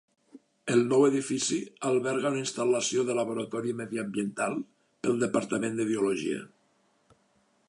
El nou edifici alberga una instal·lació de laboratori mediambiental pel departament de biologia.